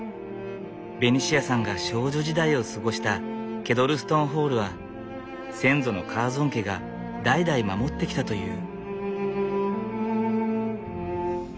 ベニシアさんが少女時代を過ごしたケドルストンホールは先祖のカーゾン家が代々守ってきたという。